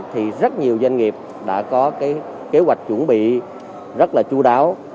thì rất nhiều doanh nghiệp đã có cái kế hoạch chuẩn bị rất là chú đáo